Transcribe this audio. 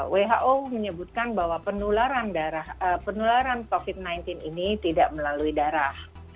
who menyebutkan bahwa penularan covid sembilan belas ini tidak melalui darah